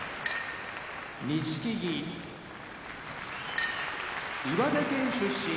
錦木岩手県出身